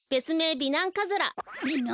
美男カズラ？